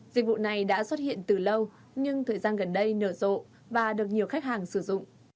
dịch vụ này đã xuất hiện từ lâu nhưng thời gian gần đây nở rộ và được nhiều khách hàng sử dụng